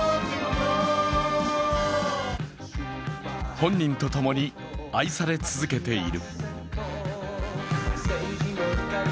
本人と共に愛され続けている。